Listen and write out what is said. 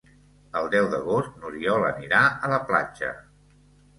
El deu d'agost n'Oriol anirà a la platja.